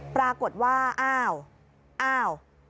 ปรากฏว่าอ้าวอ้าว